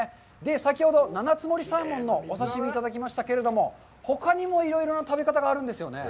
先ほど七ツ森サーモンのお刺身をいただきましたけれども、ほかにもいろいろな食べ方があるんですよね。